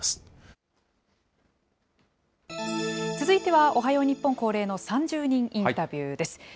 続いては、おはよう日本恒例の３０人インタビューです。